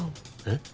えっ？